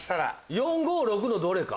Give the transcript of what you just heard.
４５６のどれか？